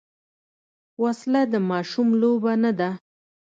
وسله د ماشوم لوبه نه ده